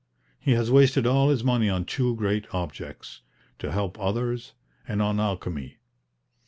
He has wasted all his money on two great objects: to help others, and on alchemy.